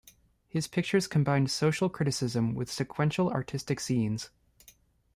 His pictures combined social criticism with sequential artistic scenes.